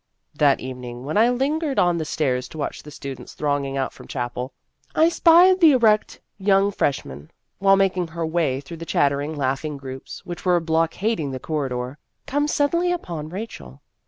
That evening, when I lingered on the stairs to watch the students thronging out from chapel, I spied the erect young fresh man, while making her way through the chattering, laughing groups which were blockading the corridor, come suddenly upon Rachel.